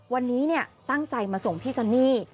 วันนี้ตั้งใจมาส่งพี่ซันนี่